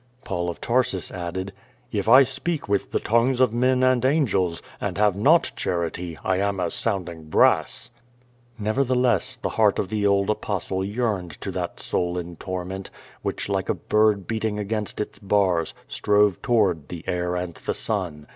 Paul of Tarsus added: "If I speak with the tongues of men and angels, and have not charity, I am as sounding brass." Nevertheless, the heart of the old Apostle yearned to that soul in torment, which like a bird beating against its bars, strove toward the air and the sun.